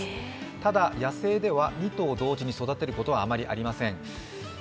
ただ、野生では２頭同時に育てることはあまりありません。